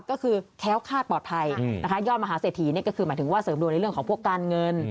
ก็คือแค้วคาดปลอดภัยนะคะยอดมหาเศรษฐีนี่ก็คือหมายถึงว่าเสริมดวงในเรื่องของพวกการเงิน